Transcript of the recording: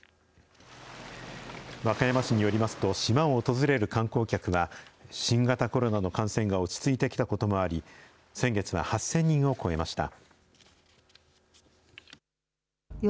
和歌山市によりますと、島を訪れる観光客は、新型コロナの感染が落ち着いてきたこともあり、先月は８０００人を超えました。